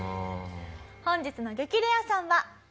本日の激レアさんはええー！